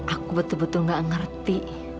aku betul betul gak ngerti